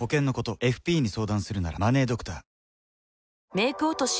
メイク落とし